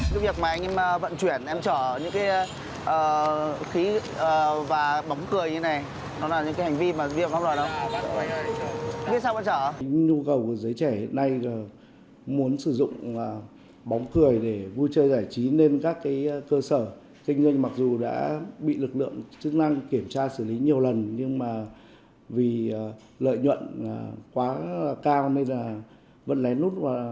chính nhu cầu của giới trẻ hiện nay là muốn sử dụng bóng cười để vui chơi giải trí nên các cơ sở kinh doanh mặc dù đã bị lực lượng chức năng kiểm tra xử lý nhiều lần nhưng mà vì lợi nhuận quá cao nên là vẫn lén nút hoạt động kinh doanh khí n hai o bóng cười và một kích vui chơi giải trí